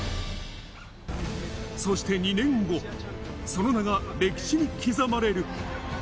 そして２年後、その名が歴史に刻まれる。